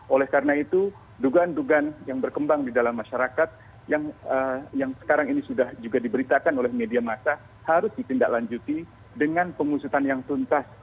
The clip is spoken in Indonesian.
oleh karena itu dugaan dugaan yang berkembang di dalam masyarakat yang sekarang ini sudah juga diberitakan oleh media masa harus ditindaklanjuti dengan pengusutan yang tuntas